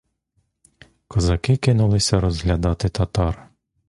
Козаки кинулися роздягати татар.